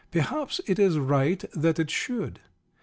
Perhaps it is right that it should.